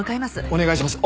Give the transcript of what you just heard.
お願いします。